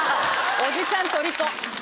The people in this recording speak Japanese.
おじさんとりこ。